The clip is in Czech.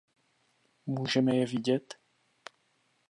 Můžeme je vidět?